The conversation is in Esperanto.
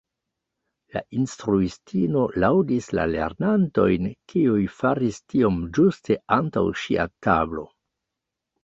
La instruistino laŭdis la lernantojn kiuj faris tiom ĝuste antaŭ ŝia tablo.